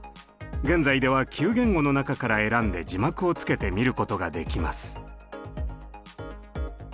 現在では９言語の中から選んで字幕をつけて見ることができます。